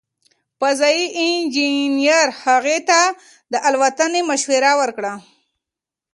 فضايي انجنیر هغې ته د الوتنې مشوره ورکړه.